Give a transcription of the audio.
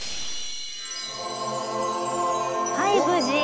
はい無事。